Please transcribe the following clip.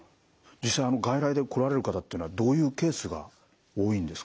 実際に外来で来られる方っていうのはどういうケースが多いんですか？